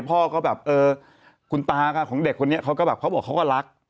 พ่อก็แบบเออคุณตาของเด็กคนนี้เขาก็แบบเขาบอกเขาก็รัก